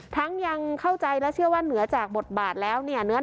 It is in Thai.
ยังเข้าใจและเชื่อว่าเหนือจากบทบาทแล้วเนี่ย